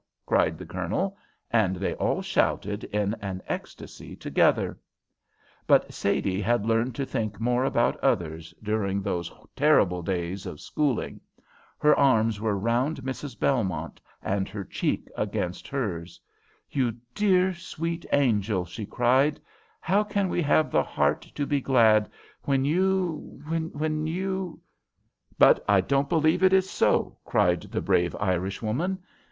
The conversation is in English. cried the Colonel, and they all shouted in an ecstasy together. But Sadie had learned to think more about others during those terrible days of schooling. Her arms were round Mrs. Belmont, and her cheek against hers. "You dear, sweet angel," she cried, "how can we have the heart to be glad when you when you " "But I don't believe it is so," cried the brave Irishwoman.